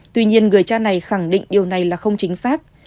tuy nhiên người cha này khẳng định điều này là không chính xác